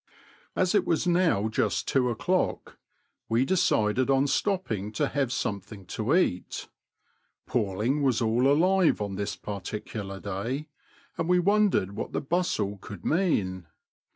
As it was now just two o'clock, we decided on stopping to have something to eat. Palling was all alive on this particular day, and we wondered what the bustle could mean.